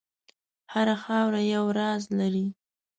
هره خاوره یو راز لري.